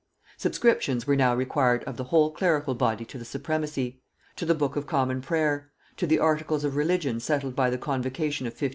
Subscriptions were now required of the whole clerical body to the supremacy; to the book of Common prayer; and to the articles of religion settled by the convocation of 1560.